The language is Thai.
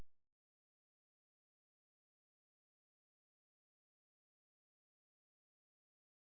สุดท้าย